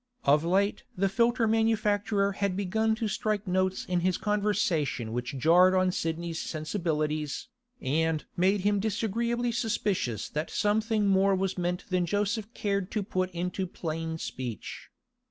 Of late the filter manufacturer had begun to strike notes in his conversation which jarred on Sidney's sensibilities, and made him disagreeably suspicious that something more was meant than Joseph cared to put into plain speech.